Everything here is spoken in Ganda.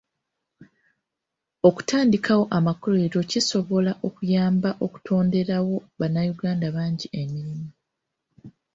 Okutandikawo amakolero kisobola okuyamba okutonderewo bannayuganda bangi emirimu.